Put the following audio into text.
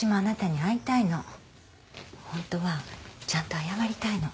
ホントはちゃんと謝りたいの。